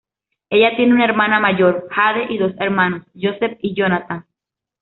Ella tiene una hermana mayor, Jade, y dos hermanos, Joseph y Jonathan.